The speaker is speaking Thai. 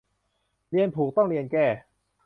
เรียนผูกต้องเรียนแก้